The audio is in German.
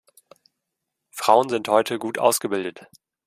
Frauen sind heute gut ausgebildet.